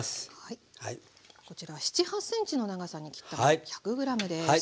こちら７８ｃｍの長さに切ったもの１００ｇです。